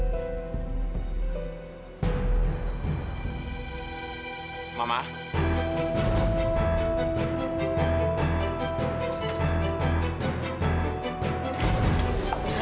kita harus penuharfatan